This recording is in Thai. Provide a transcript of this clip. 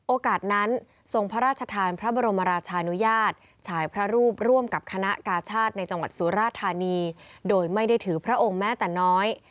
โอกาสนั้นทรงพระราชทานพระบรมราชานุญาตฉายพระรูปร่วมกับคณะกาชาติในจังหวัดสุราธานีโดยไม่ได้ถือพระองค์แม้แต่น้อย